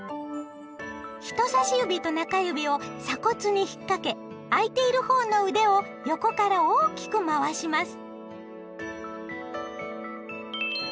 人さし指と中指を鎖骨にひっかけ空いている方の腕を横から大きくまわします。